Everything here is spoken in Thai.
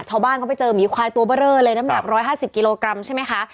ชาวบ้านเขาไปเจอหมีควายตัวเบอร์เลอร์เลยน้ำหนัก๑๕๐กิโลกรัมใช่ไหมคะ